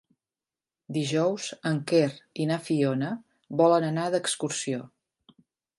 Dijous en Quer i na Fiona volen anar d'excursió.